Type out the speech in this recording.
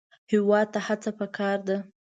هېواد ته هڅه پکار ده